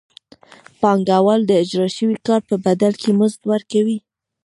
پانګوال د اجراء شوي کار په بدل کې مزد ورکوي